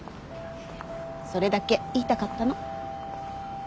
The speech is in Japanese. それだけ言いたかったの。